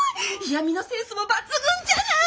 嫌みのセンスも抜群じゃない！